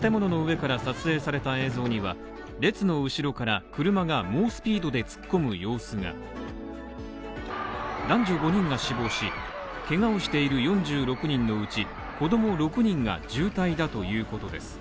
建物の上から撮影された映像には、列の後ろから車が猛スピードで突っ込む様子が男女５人が死亡し、けがをしている４６人のうち、子供６人が重体だということです。